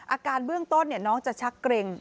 อาการเบื้องต้นน้องจะชักเกร็ง